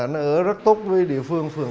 nó ở rất tốt với địa phương phường tám